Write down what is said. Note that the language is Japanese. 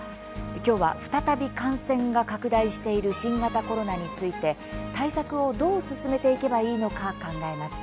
きょうは、再び感染が拡大している新型コロナについて対策をどう進めていけばいいのか考えます。